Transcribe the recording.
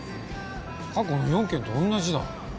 過去の４件と同じだ。